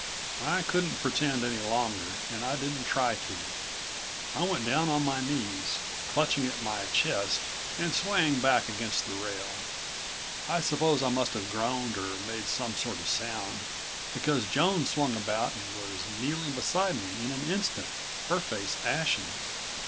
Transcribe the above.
I couldn't pretend any longer, and I didn't try to. I went down on my knees, clutching at my chest and swaying back against the rail. I suppose I must have groaned or made some sort of sound, because Joan swung about and was kneeling beside me in an instant, her face ashen.